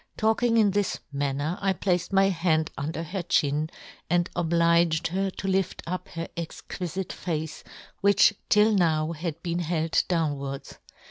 Talking in this man " ner, I placed my hand under her " chin, and obliged her to lift up " her exquifite face, which till now " had been held downwards.